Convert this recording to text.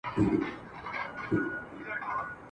له وړو او سترو لویو نهنګانو ..